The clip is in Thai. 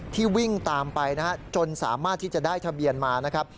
ที่วิ่งตามไปจนสามารถที่จะได้ทะเบียนมา